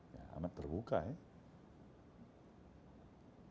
ya amat terbuka ya